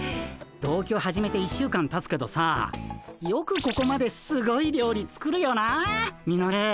同居始めて１週間たつけどさよくここまですごい料理作るよなあミノル。